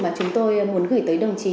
mà chúng tôi muốn gửi tới đồng chí